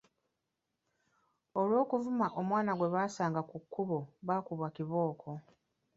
Olw’okuvuma omwana gwe basanga ku kkubo, baakubwa kibooko.